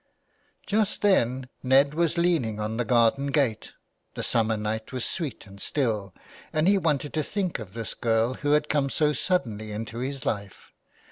Just then Ned was leaning on the garden gate. The summer night was sweet and still, and he wanted to think of this girl who had come so suddenly into his life.